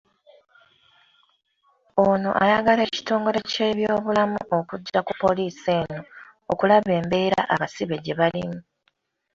Ono ayagala ekitongole ky'ebyobulamu okujja ku poliisi eno okulaba embeera abasibe gye balimu.